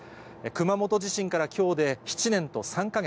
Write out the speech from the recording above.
熊本地震からきょうで７年と３か月。